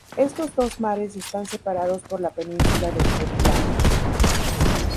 Estos dos mares están separados por la península de Jutlandia.